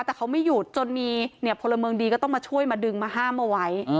แต่เขาไม่หยุดจนมีพลเมืองดีก็ต้องมาช่วยมาดึงมาห้ามเอาไว้